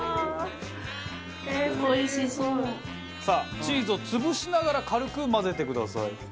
さあチーズを潰しながら軽く混ぜてください。